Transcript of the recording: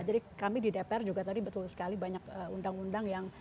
jadi kami di dpr juga tadi betul sekali banyak undang undang yang